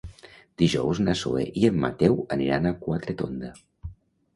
Dijous na Zoè i en Mateu aniran a Quatretonda.